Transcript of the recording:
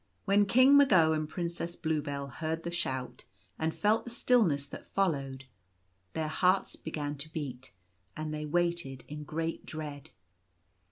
When King Mago and Princess Bluebell heard the shout and felt the stillness that followed, their hearts began to beat, and they waited in great dread.